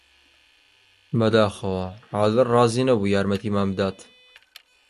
بەداخەوە، عادل ڕازی نەبوو یارمەتیمان بدات.